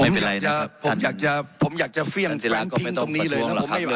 ไม่เป็นไรนะครับท่านสิระก็ไม่ต้องประท้วงหรอกครับ